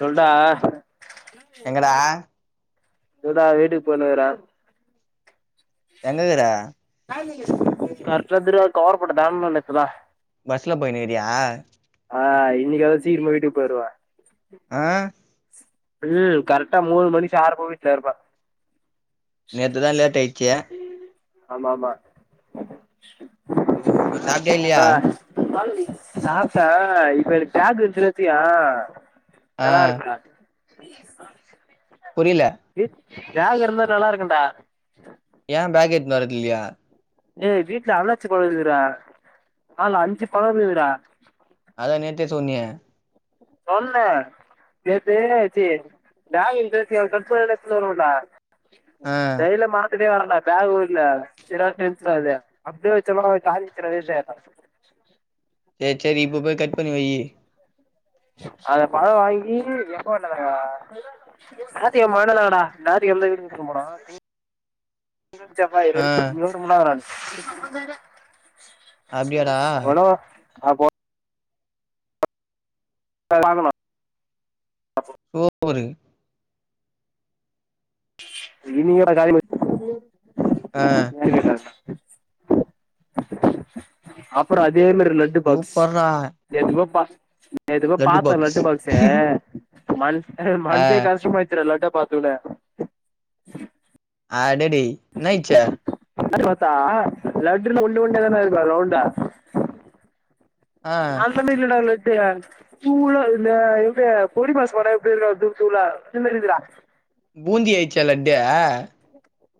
சொல்டா எங்கடா இருடா வீட்டுக்கு போயிண்ணு இக்ற எங் இர்க்ர கர்ட்டுத்ர கவர்பட்ட தான்ட்னோ இப்பதா பஸ்ல போயினுு க்றியா ஆ இன்னைக்குாவது சீக்கிறமா வீட்டுக் போயிடுவே ஆ கரக்டா மூணு மணி சார்ப்பா உ வீட்ல இருப்ப நேத்துதா லேட்டா யிச்சி ஆமா ஆமா சாப்டியா இல்லயா சாப்ட்ட இப்ப எனக்கு டேக்ன்ருந்தியே ஆ நல்லா இருக்க வி புரியல தியாகு இருந்தா நல்லா இருக்குன்டா [unintelligible] இலியா டே வீட்ல அரநாச்சி பழ இக்குத்டா ஆல அஞ்சு பழ இந்த்துடா அதா நேத்தே சொன்னியே சொன்னே நேத்து தியாகு ன்றது எ ஃப்ரண்ட்ஸ்ஸு கூட [unintelligible] வர ஆ மாட்ட ஜைல மாட் அப்டியே வரன்டா பேக்கு கூட இல்ல சரியான டென்ஷனாகுது அப்டியே வச்சேனா கா [unintelligible] சேரி சேரி இப்போ போயி கட் பண்ணி வய்யி அத பழம் வாங்கி எப்ப [unintelligible] ஞாயித்துகிழம [unintelligible] ‌ஞாயித்துகிழம தா வீடு [unintelligible] போனா ஆ [unintelligible] அப்டியாடா [unintelligible] வாங்கணோ [unintelligible] ஆ [unintelligible] அப்புற அதே மாரி லட்டு பாக்ஸ் சூப்பர்ரா [unintelligible] நேத்து போயி பாத்தே லட்டு பாக்ஸ்சே ம ஆ மனுசே கஷ்டமாச்சுடா லட்ட பாத்த உட்னே அடடே ன்னாயிச்சு [unintelligible] லட்டுல உருண்ட உருண்டயா தானே இருக்கு ரவுண்டா ஆ அந்த மாரி இலடா லட் அப்டி தூளா இந்த எப்டி பொடி மாஸ் போட்டா எப்டி இருக்கோ தூள் தூளா [unintelligible] டா பூந்தி அயிச்சா லட்டு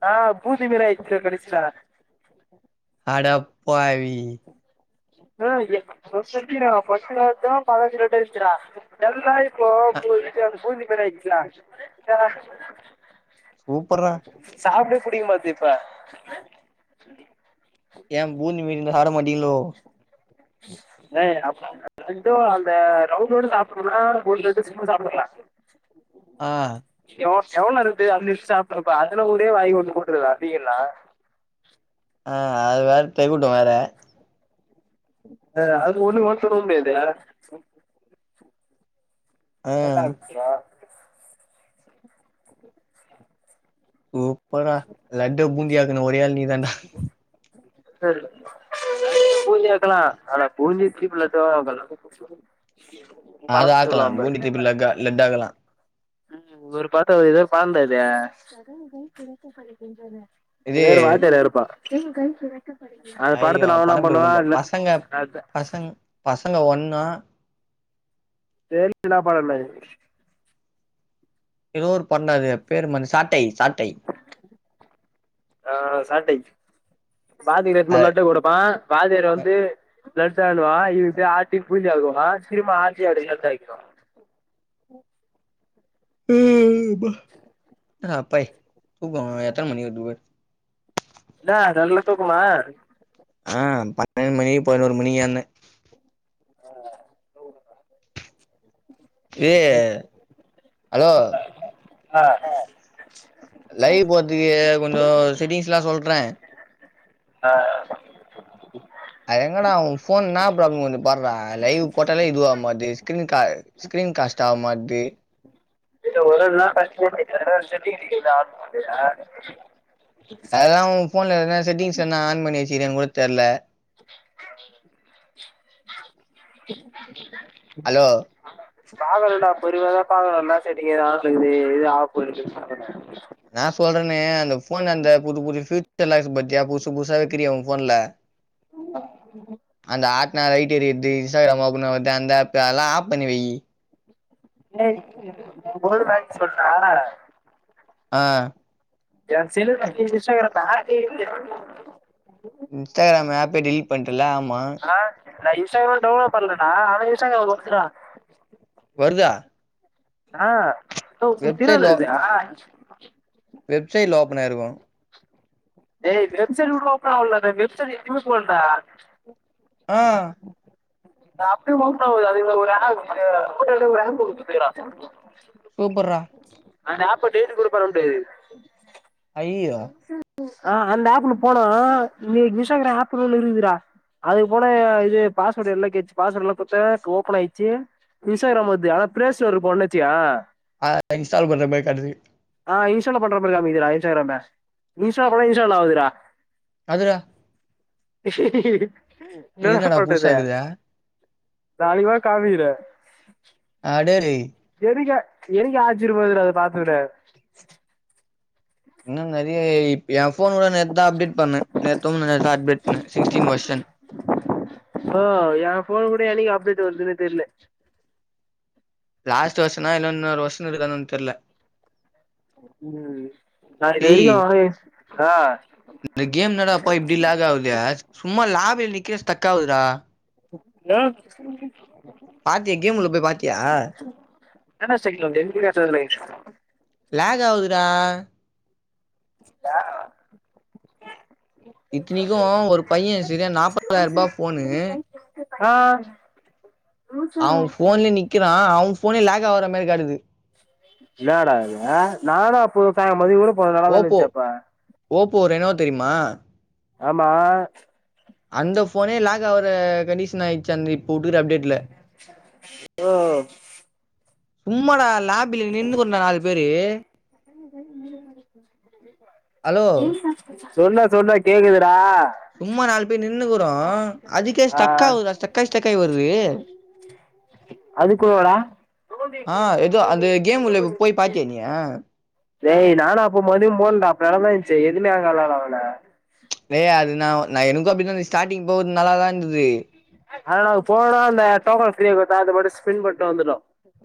ஆ பூந்தி மாரி ஆயிடிச்சுடா கடிசீல அடப்பாவி அஹ் [unintelligible] எல்லா இப்போ [unintelligible] பூந்தி மாரி ஆயிருச்சுடா சூப்பர்ரா [inaudible] சாப்டே புடிக்கமாட்து இப்ப ஏ பூந்தி மேரி இருந்தா சாப்ட மாட்டிங்களோ ப்ரோ அந்த ரவுண்ட் ரவுண்ட் சாப்டுனா ஒன்னு ரெண்டு சும்மா சாப்டலா ஆஹ் எவ்ளோ நேர இருன்டு அதுலே சாப்டறப்ப அதுல ஒரே வாய் ஒன்னு போட்றலா [unintelligible] ளா அஹ் அது வேற ட்ரை கூட்டோ வேற அஹ் அது ஒன்னு கோட தொடகூட முடியாது ஆ ட்டா மிக்ஸ்டா சூப்பரா லட்ட பூந்தியாக்கன ஒரே ஆள் நீ தண்டா [unintelligible] பூந்தி ஆக்கலா ஆனா பூந்திய திருப்பி லட்டாவு ஆக்கலா அது ஆக்கலா பூண்டி திருப்பி லக்கா லட்டாக்கலா உம் ஒரு பாத்த ஒரு இத பாந்தது இது இன்னேரு பாத்துனுருப்பா ஐயோ அந்த பட பேர் கூட பசங்க அதா பசங் பசங்க ஒண் ஆஹ் [inaudible] லா பண்ண கூடாது எதோ ஒரு பன்னது பேருமந்து சாட்டை சாட்டை ஆஹ் சாட்டை பாதில எத்னுபோய் அது லட்டு குடுப்பா பாதியர அ வந்து லட்டாலுவா இவ இப்டே ஆட்டி பூந்தியாக்குவ திரும்ம ஆத்தி அத லட் ஆக்கிடுவ உம் அப்பாடி தூக்கோ எத்தன மணிக்கு வருது பார் என்னா நல்ல தூக்கமா? ஆஹ் பன்னெண்டு மணிகு பதினொரு மணிக்கு ஏந்த ஆஹ் ஏய் ஹலோ ஆ லைவ் போறத்திக்கே கொஞ்சோ செட்டிங்ஸ்லா சொல்ற ஆஹ் அட எங்கடா ஒ ஃபோன் என்னா ப்ராப்ளம் உன்து பார்ரா லைவ் போட்டாலே இதுவாவமாட்து ஸ்கீனு கா [unintelligible] ஸ்கீரின் காஷ்ட் ஆவ மாட்து [inaudible] அதல்லா உ ஃபோன்ல எதனா செட்டிங்ஸ் எதனா ஆன் பண்ணி சீரியானு கூட தெர்ல ஹலோ பாக்கணுடா பொருமியதா பாக்கணு என்னா செய்து எது ஆஃப்ல இருக்குது எது ஆஃப்ல இருக் நா சொல்றனே அந்த ஃபோன் அந்த புது புது ஃபியூச்சர்ஸ்ல்லா பாத்தியா புதுசு புதுசா வெக்கிறிய உன் ஃபோன்ல உ [inaudible] லைட் எரியத்து இன்ஸ்டாகிராம அப்ப அந்த ஆப் எல்லா ஆப் பண்ணி வய் [inaudible] ஆஹ் [unintelligible] இன்ஸ்டாகிராம் [inaudible] இன்ஸ்டாகிராம் ஆப்பே டெலீட் பண்டல ஆமா ஆ நா இன்ஸ்டாகிராம் டவுன்லோட் பண்லடா அனா இஸ்டாகிராம் வருதுடா வருதா ஆஹ் வெப்சைட்ல [unintelligible] வெப்சைட்ல ஓப்பன் ஆயிருக்கு டேய் வெப்சைட் கூடோ ஓபன் ஆவலடா வெப்சைட் எங்கியுமே போலட ஆஹ் சாப்ட்டு முடியாது ஒரு ஆப் ஒரு ஆப்பு வச்சிருக்குறா சூப்பர்ரா அந்த ஆப் டெலிட் குடுக்கவும் தெரியாது ஐயயோ ஆஹ் அந்த ஆப்க்குல்ல போனா நீ இன்ஸ்டாகிராம் ஆப் உள்ள இருக்குதுடா அதுக்கு போன இது பாஸ்வேர்டு எல்லா கேட்டுச்சு பாஸ்வேர்ட் எல்லா குடுத்த ஓபன் ஆயிச்சு இன்ஸ்டாகிராம் வர்து ஆனா பிளேஸ்டோர் போனேன் நினச்சியா ஆஹ் இன்ஸ்டால் பண்ற மாரி காட்டுது ஆ இன்ஸ்டால் பண்ற மாரி காமிக்குதுடா இன்ஸ்டாகிராம்ம இன்ஸ்டால் பண்ணா இன்ஸ்டால் ஆவுதுடா அதுடா இது என்னா டா என்னடா பண்றது புதுசாக்குதா காலையில வா காமிக்குற அடடே எனக்கே எனக்கே ஆச்சர்யமா இருக்குடா அத பாத்த உடனே இன்னும் நிறைய இப் என் ஃபோன் கூட நேத்துதா அப்டேட் பண்ண நேத்தோ முந்தா நேத்தோ அப்டேட் பண்ண சிக்ஸ்டீன் வர்சன் ஆஹ் என் ஃபோன் கூட என்னைக்கி அப்டேட் வருதுன்னே தெரில லாஸ்ட் வர்சனா இல்ல இன்னொரு வர்சன் இருக்கா என்னன் தெரில உம் நா இது டேய் வரைக்கும் ஆஹ் இந்த கேம் இந்தாடாப்பா இப்படி லாக் ஆகுது சும்மா லாபில நிக்கிற ஸ்டக் ஆவுதுடா என்ன பாத்தியா கேம் உள்ள போய் பாத்தியா [unintelligible] ஹங் ஆவுதுடா இல்ல இத்தனைக்கு ஒரு பையன் சரியா நாப்பதாயிரூபா ஃபோனு ஆஹ் அவன் போன்லயே நிக்கிறான் அவன் போனே லாக் ஆகுற மாதிரி காட்டுது என்னடா இது நானும் அப்போதா மதியம் கூட போனது நல்லாதான ஓப்போ இருந்துச்சு அப்ப ஓப்போ ரெனோ தெரியுமா ஆமா அந்த ஃபோனே லாகாவத் த கண்டிஷன் ஆயிடுச்சு அந்த இப்ப குடுக்குற அப்டேட்ல ஓ சும்மாடா லாபில நின்னு கொண்ட நாலு பேரு ஹலோ சொன்ன சொன்ன கேக்குதுடா சும்மா நாலு பேர் நின்னு க்குறோம் அதுக்கே ஆ ஸ்டக்ஆவுதுடா ஸ்டக்காயி ஸ்டக்காயி வருது அதுக்கோடா ஆஹ் ஏதோ அந்த கேம்ல உள்ளக போய் பாத்தியா நீ டேய் நானும் அப்பம்போது போனண்டா அப்ப நல்லாதா இருந்துச்சு எதுவுமே ஆகலடா அதுல டேய் அது நான் நா எனக்கும் அப்படிதான் இருந்தது ஸ்டார்ட்டிங் போகுது நல்லாதான் இருந்தது ஆனா நாங்க போனோம் அந்த டோக்கன் ஃப்ரீ குடுத்தா அது மட்டும் ஸ்பின் பன்ட்டு வந்துட்டோ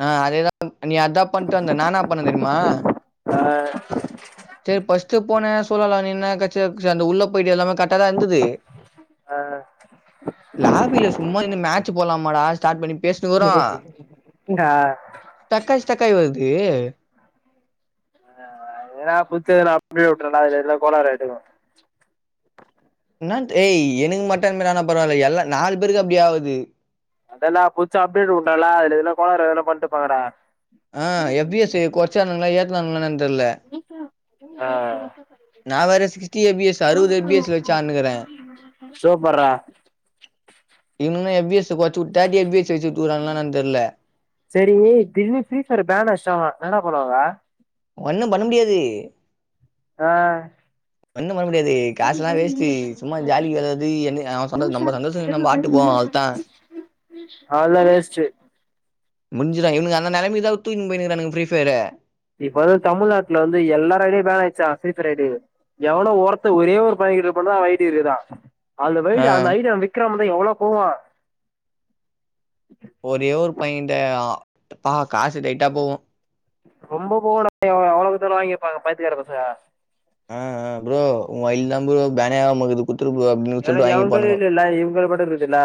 ஆஹ் அதேதான் நீ அதான் பண்ட்டு வந்த நா என்னா பண்ண தெரியுமா ஆ சேரி பர்ஸ்ட் போன சொல்லலா நீ இன்னா [unintelligible] அந்த உள்ள போயிட்டு எல்லாமே கரெக்ட்டா தா இருந்துது ஆ லாபில சும்மா இருந்து மேட்சு போலாமாடா ஸ்டார்ட் பண்ணி பேசிட்ருகுறோ ஆ ஸ்டக்காய் ஸ்டக்காய் வருது ஆஹ் ஏதுன்னா புடிச்சது நா அப்படிய விட்றுந்தா எல்லா கோலார் ஆய்டுக்கு என்ன டேய் எனக்கு மட்டும் இந்த மாரி ஆனா பரவாயில்ல எல்லா நாலு பேருக்கு அப்படி ஆவுது அதெல்லா புடுச்சி அப்டேட்டு உட்டாண்ல அதுல எதனா கோளார் எதனா பண்ட்டு இருப்பாங்கடா ஆஹ் எஃப் பி எஸ் சை கொறச்சான்ங்களா ஏத்தனானங்களா என்னன் தெர்ல ஆ நா வேற சிக்ஸ்ட்டி எ பி எஸ் அறுவது எ பி எஸ் ல வச்சு ஆட்னுகுறே சூப்பர்ரா இவனுகளா எஃப் பி எஸ் அ கொறச்சுவுட் த்தேட்டி எபி எஸ் வச்சு குடுக்குறாங்களா என்னான் தெர்ல செரி வு திடீர்னு ஃபிரீ ஃபைர் அ பேன் வச்சுட்டாங்களா என்னடா பண்ணுவாங்க ஒன்னு பண்ண முடியாது ஆஹ் ஒன்னு பண்ண முடியாது காசெல்லா வேஸ்ட்டு சும்மா ஜாலிக்கெதாவ்து எந்த அவே நம் சந்தோஷத் நம்ம ஆட்டுப்போவோ அவ்தா அதெல்லா வேஸ்ட்டு முஞ்சுதா இக்கு இவனுக அந்த நெலமைக்குதா தூக்குனுபோய்ருக்குறான்க ஃப்ரீஃபயர இப்ப வந்து தமிழ்நாட்டுல வந்து எல்லாரு ஐடியு பேன் ஆயிடுச்சா ஃபிரீ ஃபயர் ஐடி எவ்ளோ ஓரத்த ஒரே ஒரு பாக்கெட்டு பண்ண வைட் எரிதா அந்த ஆ வைடு அந்த ஐடிய அவ விக்கிராம தா எவ்ளோ போவு ஒரே ஒரு பையிண்டு ஆ பா காசு டைட்டா போவு ரொம்ப போவேணா ப்ரோ அவ்வளோவுக்கு தருவாய்ங்க ப பைத்தியக்கார பசங்க ஆஹ் ஆஹ் ப்ரோ உ ஐடில ப்ரோ பேனே ஆவாமக்குது குடுத்துரு போ அப்டினு சொல்லிட்டு வாங்கி பாணுங்கோ இவுங்களு பட்டது இதுல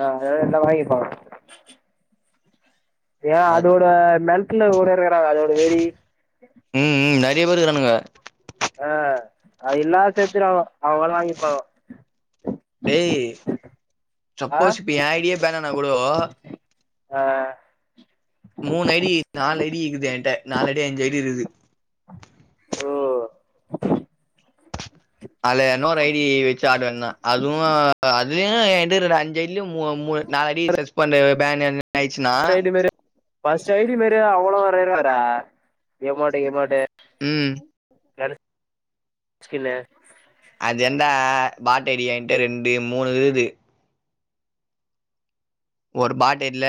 ஆஹ் எ எல்லா வாங்கி பா ஏ அ அதோட நல்ட்ல ஓரோரு வேரா அதோட வெறி ம் ம் நெறைய பேருக்கானுங்க அஹ் அது இல்லா சேத்துனாவு அவ அவளோ வாங்கிப்பாவு டேய் சப்போஸ் இப்ப என் ஐடியே பேன் ஆனா கூடவோ அ மூணு ஐடி நாலு ஐடி இக்குது என்ட்ட நாலு ஐடி அஞ்சு ஐடி இருக்குது ஓ அதில இன்னொரு ஐடி வச்சு ஆடுவே நா அதுவு அதுலுயு என்ட இருக்குற அஞ்சுஐடில மூ மூ ப நாளடி சஸ்பெண்டு பேனு அந் சைடு மேரு ப சைடு மேரு அவ்ளோ வரையராரா யமோட்டு கீமோட்டே ம் யாரு ஸ்கின்னு இந்த பாட் ஐடி என்ட ரெண்டு மூணு இருகுது ஒரு பாட் ஐடில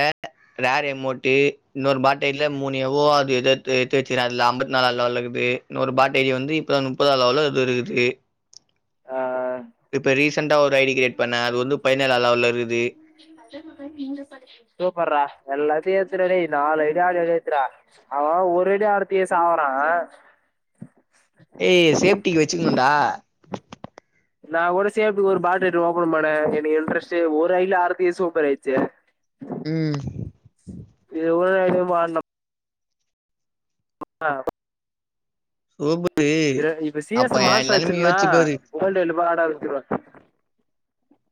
ரேர் யமோட்டு இன்னொரு பாட் ஐடில மூணு யவோ அது எதுத்து து ச் சேரி அதுல ஐம்பத் நாலா லெவல்லருக்குது இன்னொரு பாட் ஐடி வந்து இப்பதா முப்பதாவது அவாலது இருக்குது ஆ ஆ இப்ப ரீசண்டா ஒரு ஐடி கிரியேட் பண்ணே அது வந்து பதினெழா லெவல்லா இருகுது சூப்பர்ரா எல்லாத்தியு ஏத் திரதே நாலு ஐடியாக்கா ஏத்துற அவ அவ ஒரு ஐடி ஆவரத்தே சாவ்றாங்க ஏய் சேப்டிக்கு வச்சுகனுடா நா கூட சேப்புக்கு ஒரு பாட் ரேட்டு ஓபன் பண்ணே எனக்கு இன்ட்ரெஸ்ட்டு ஒரு ஐடில ஆரதுக்கே சூப்பர் ஆயிச்சு ஹும் எவ்ளோ ஐடி வாரணம் அ சூப்பரு இ இப்ப சிஎஸ் அப்ப என் மாஸ்டர் நெலமைய வச்சுருந்தா யோசிச்சு பாரு ஓல்டு எழுப் வெளாட ஆரம்பிச்சா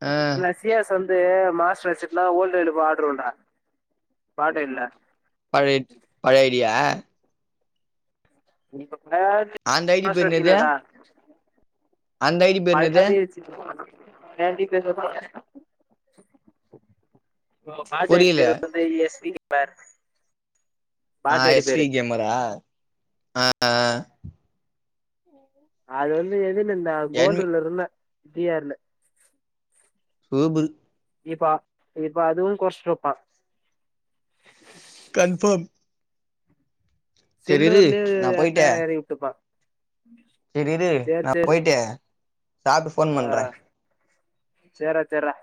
ஆ நஸ்சியாஸ் வந்து மாஸ்டர் வச்சிட்டுலா ஓல்டு இதுல இப்போ ஆடுறோடா பாடே இல்ல பவேன்டு பழைய ஐடியா இப்ப பேண்ட்டு அந்த ஐடி ஆ பேர் என்னது செரிங்கலாடா அந்த ஐடி பேர் அ என்னது அதயே ச்சி போ சி கேண்டி கிரெஷ் போ ஓ பாஸ்டாசி புரியல பேரு வந்து எஸ் வினிமேர் ஆஹ் எஸ்வி கேம்மரா ஆஹ் ஆஹ் அது வந்து எதுன்னு இந்த என்வி [unintelligible] இருந்தே டீ ஆர்ல ஹெபுல் இப்பா இப்ப அதுவு கொறச்ட்ருப்பா கன்ஃபர்ம் சில்வர்லே [unintelligible] செரி இரு நா சேரி போய்ட்டு சாப்ட்டு ஃபோன் ஆ பண்றே சேர்ரா சேர்ரா